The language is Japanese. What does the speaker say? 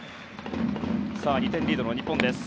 ２点リードの日本です。